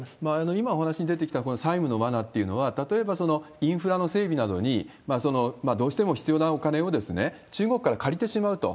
今お話に出てきたこの債務の罠っていうのは、例えば、インフラの整備などにどうしても必要なお金を中国から借りてしまうと。